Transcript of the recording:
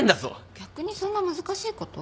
逆にそんな難しいこと？